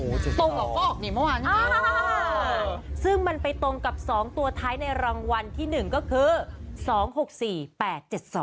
โหเจ็ดสองตรงกับโป๊ะนี่เมื่อวานอ่าซึ่งมันไปตรงกับสองตัวท้ายในรางวัลที่หนึ่งก็คือ